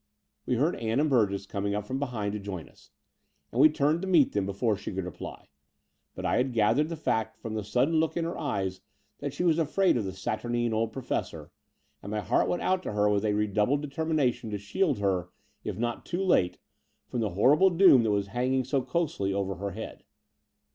We heard Ann and Burgess coming up from be hind to join us, and we turned to meet them before she could reply : but I had gathered the fact from the sudden look in her eyes that she was afraid of the saturnine old Professor, and my heart went out to her with a redoubled determination to shield her, if not too late, from the horrible doom that was hanging so closely over her head.